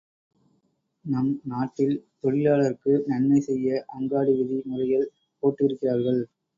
நம் நாட்டில் தொழிலாளர்க்கு நன்மை செய்ய அங்காடி விதி முறைகள் போட்டு இருக்கிறார்கள்.